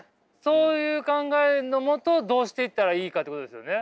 そういう考えのもとどうしていったらいいかっていうことですよね。